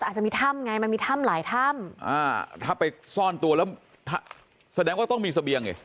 อาจจะมีถ้ำไงมันมีถ้ำหลายถ้ำอ่าถ้าไปซ่อนตัวแล้วแสดงว่าต้องมีเสบียงไง